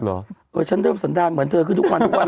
ก็ฉันเริ่มสนดานเหมือน่ะเขื่อขึ้นออกนี่พันตุกวัน